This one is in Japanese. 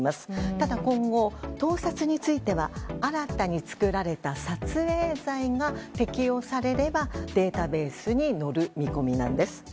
ただ今後、盗撮については新たに作られた撮影罪が適用されれば、データベースに載る見込みなんです。